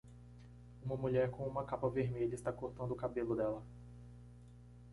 Uma mulher com uma capa vermelha está cortando o cabelo dela.